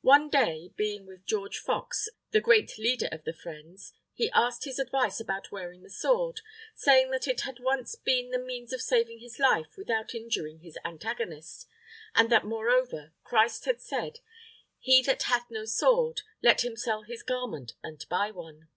One day, being with George Fox the great leader of the Friends, he asked his advice about wearing the sword, saying that it had once been the means of saving his life without injuring his antagonist, and that moreover Christ has said, "He that hath no sword, let him sell his garment and buy one."